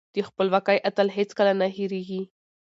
د خپلواکۍ اتل هېڅکله نه هيريږي.